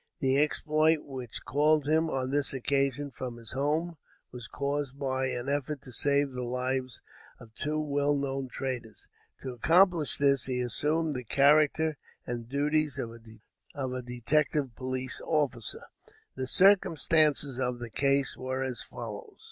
The exploit which called him, on this occasion, from his home, was caused by an effort to save the lives of two well known traders. To accomplish this, he assumed the character and duties of a detective police officer. The circumstances of the case were as follows.